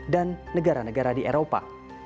dan negara negara di eropa